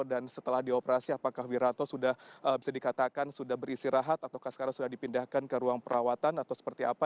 dan setelah dioperasi apakah wiranto sudah bisa dikatakan sudah berisi rahat ataukah sekarang sudah dipindahkan ke ruang perawatan atau seperti apa